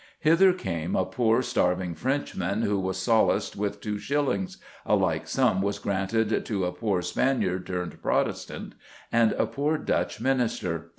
Hither came "a poore starving Frenchman," who was solaced with 2s.; a like sum was granted to a "poore Spaniard turned Protestant" and a "poore Dutch minister."